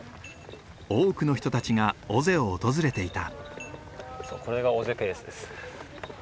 多くの人たちが尾瀬を訪れていた。